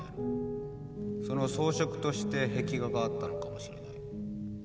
その装飾として壁画があったのかもしれない。